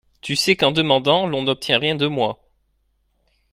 Tu sais qu’en demandant L’on n’obtient rien de moi.